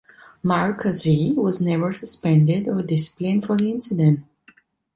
Markazi was never suspended or disciplined for the incident.